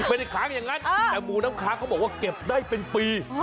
ค้างอย่างนั้นแต่หมูน้ำค้างเขาบอกว่าเก็บได้เป็นปี